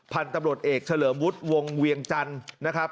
พันธุ์ตำรวจเอกเฉลิมวุฒิวงเวียงจันทร์นะครับ